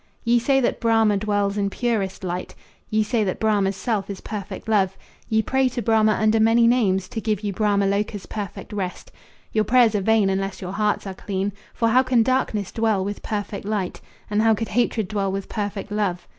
Ye say that Brahma dwells in purest light; Ye say that Brahma's self is perfect love; Ye pray to Brahma under many names To give you Brahma Loca's perfect rest. Your prayers are vain unless your hearts are clean. For how can darkness dwell with perfect light? And how can hatred dwell with perfect love?